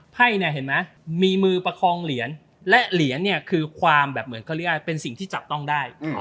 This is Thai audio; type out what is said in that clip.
๑๒๓ไฟ่นี้เห็นไหมมีมือประคองเหรียญและเหรียญเนี่ยคือความเป็นสิ่งที่จับต้องได้